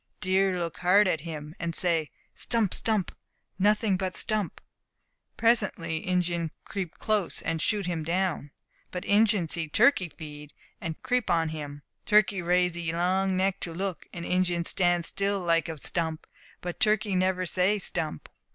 Deer look hard at him, and say "stump! stump! nothing but stump!" Presently Injin creep close, and shoot him down. But Injin see turkey feed, and creep on him. Turkey raise 'ee long neck to look, and Injin stand still like a stump; but turkey never say "stump!"